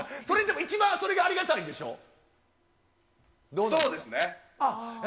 それでも一番それがありがたいんでしょ？